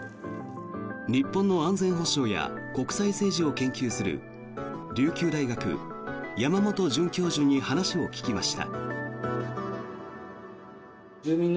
日本の安全保障や国際政治を研究する琉球大学、山本准教授に話を聞きました。